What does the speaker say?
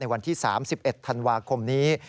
วันที่๓๑ธันวาคมนี้